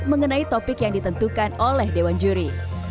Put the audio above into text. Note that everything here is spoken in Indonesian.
mengenai topik yang ditentukan oleh dewan juri